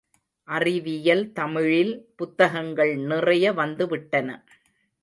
அறிவியல் தமிழில் புத்தகங்கள் நிறைய வந்துவிட்டன.